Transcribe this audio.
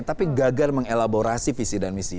tapi gagal mengelaborasi visi dan misi